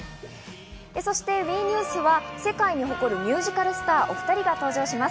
そしてＷＥニュースは世界に誇るミュージカルスター、お２人が登場します。